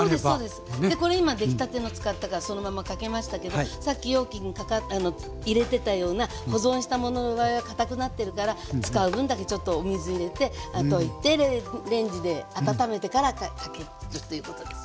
これ今出来たての使ったからそのままかけましたけどさっき容器に入れてたような保存したものの場合は堅くなってるから使う分だけちょっとお水入れてレンジで温めてからかけるということですよね。